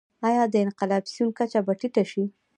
آیا د انفلاسیون کچه به ټیټه شي؟